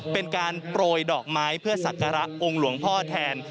เป็นการโปรยดอกไม้เพื่อสักการะองค์หลวงพ่อแทน